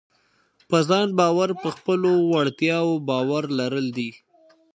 په ځان باور په خپلو وړتیاوو باور لرل دي.